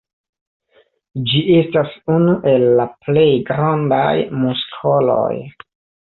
Ĝi estas unu el la plej grandaj muskoloj.